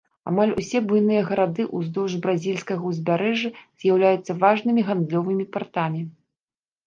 Амаль усе буйныя гарады ўздоўж бразільскага ўзбярэжжа з'яўляюцца важнымі гандлёвымі партамі.